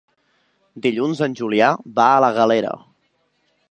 Dilluns en Julià va a la Galera.